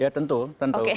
ya tentu tentu